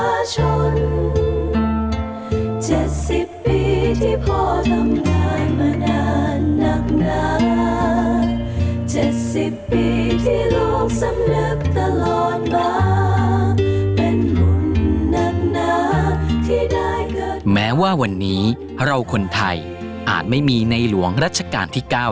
อาจไม่มีใครที่จะได้รับความสุขมากขนาดนั้นอ่ะรู้สึกว่าเราได้รับสิ่งของพระราชทานจากในหลวงราชการที่เก้า